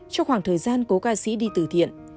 trong khoảng thời gian cố ca sĩ đi từ thiện